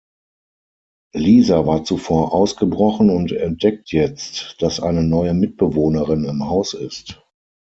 Lisa war zuvor ausgebrochen und entdeckt jetzt, dass eine neue Mitbewohnerin im Haus ist.